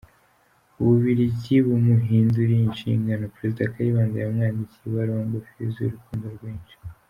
U Bubiligi bumuhinduriye inshingano, Perezida Kayibanda yamwandikiye ibaruwa ngufi yuzuye urukundo rwinshi:.